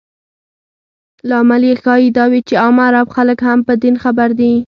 لامل یې ښایي دا وي چې عام عرب خلک هم په دین خبر دي.